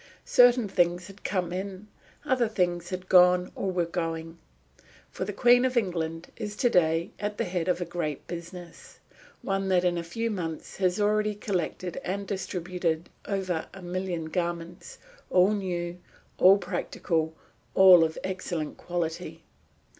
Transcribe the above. Certain things had come in; other things had gone or were going. For the Queen of England is to day at the head of a great business, one that in a few months has already collected and distributed over a million garments, all new, all practical, all of excellent quality.